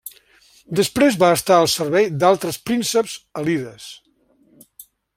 Després va estar al servei d'altres prínceps alides.